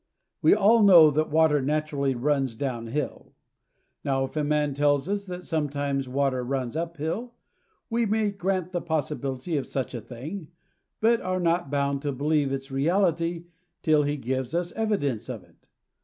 We all know that water naturally runs down hill. Now, if a man tells us that sometimes water runs up hill, we may grant the possibility of such a thing, but are not bound to believe its reality till he give us evidence of it.